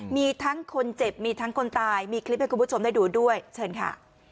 มีทั้งคนเจ็บมีทั้งคนตายมีคลิปให้คุณผู้ชมได้ดูด้วยเชิญค่ะ